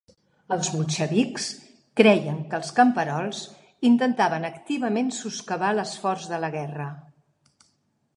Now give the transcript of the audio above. Els bolxevics creien que els camperols intentaven activament soscavar l'esforç de la guerra.